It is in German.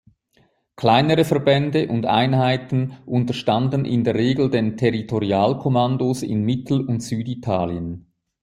Kleinere Verbände und Einheiten unterstanden in der Regel den Territorialkommandos in Mittel- und Süditalien.